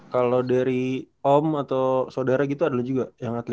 kalo dari om atau sodara gitu adalah juga yang atlet